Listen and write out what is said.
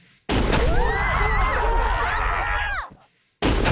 うわ！